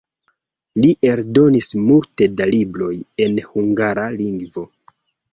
Li eldonis multe da libroj en hungara lingvo.